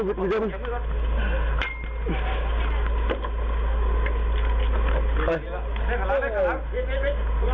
เกิดให้ใกล้